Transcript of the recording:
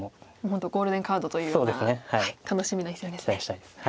本当ゴールデンカードというような楽しみな一戦ですね。